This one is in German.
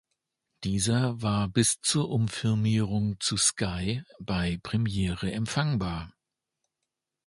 Dieser war bis zur Umfirmierung zu Sky bei Premiere empfangbar.